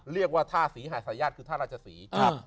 เรียกว่าท่าศรีหาสายญาติคือท่าราชศรี